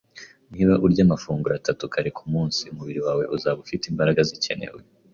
Niba urya amafunguro atatu kare kumunsi, umubiri wawe uzaba ufite imbaraga zikeneye.